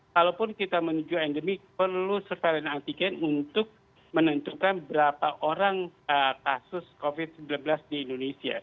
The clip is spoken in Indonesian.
kalaupun kita menuju endemik perlu surveillance antigen untuk menentukan berapa orang kasus covid sembilan belas di indonesia